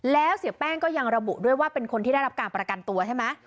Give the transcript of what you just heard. แล้วเสียแป้งก็ยังระบุด้วยว่าเป็นคนที่ได้รับการประกันตัวใช่ไหม